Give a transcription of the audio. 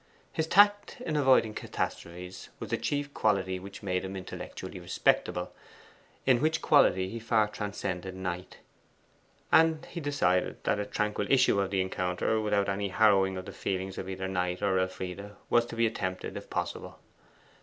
His tact in avoiding catastrophes was the chief quality which made him intellectually respectable, in which quality he far transcended Knight; and he decided that a tranquil issue out of the encounter, without any harrowing of the feelings of either Knight or Elfride, was to be attempted if possible.